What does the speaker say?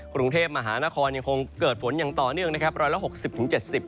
กรุงเทพฯมหานครยังคงเกิดฝนอย่างต่อเนื่องนะครับ